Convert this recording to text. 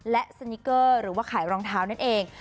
และสนิกเกอร์หรือว่าขายรองเท้านั่นเอง